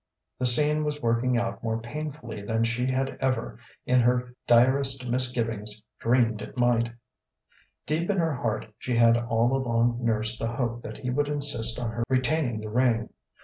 The scene was working out more painfully than she had ever in her direst misgivings dreamed it might. Deep in her heart she had all along nursed the hope that he would insist on her retaining the ring.